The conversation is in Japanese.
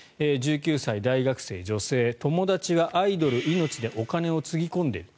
１９歳、大学生女性友達はアイドル命でお金をつぎ込んでいる。